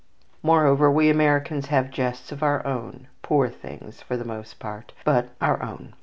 Moreover, we Americans have jests of our own, poor things for the most part, but our own.